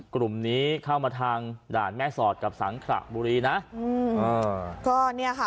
กลุ่มนี้เข้ามาทางด่านแม่สอดกับสังขลาดบุรีนะ